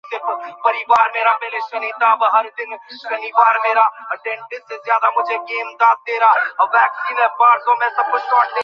তুমি এমন ভুলিয়া যাও!